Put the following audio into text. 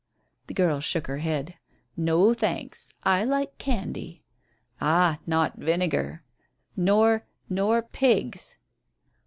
The girl shook her head. "No, thanks. I like candy." "Ah, not vinegar." "Nor nor pigs."